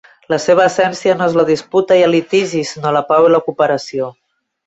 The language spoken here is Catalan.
La seva essència no és la disputa i el litigi, sinó la pau i la cooperació.